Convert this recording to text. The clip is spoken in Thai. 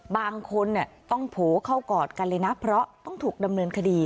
บางคนต้องโผล่เข้ากอดกันเลยนะเพราะต้องถูกดำเนินคดี